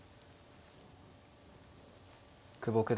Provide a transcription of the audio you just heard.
久保九段